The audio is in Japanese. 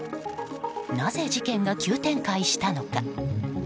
なぜ事件が急展開したのか。